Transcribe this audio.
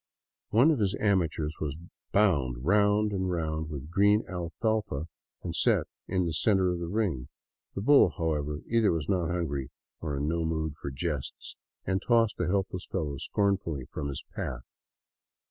One of his amateurs was bound round and round with green alfalfa and set in the center of the ring. The bull, however, either was not hungry or in no mood for jests, and tossed the helpless fellow scornfully from his path.